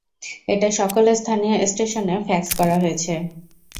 এটা সকল স্থানীয় স্টেশনেও ফ্যাক্স করা হয়েছে।